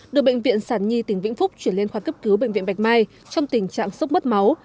được bệnh viện sản nhi tỉnh vĩnh phúc chuyển lên khoa cấp cứu bệnh viện bạch mai trong tình trạng sốc mất máu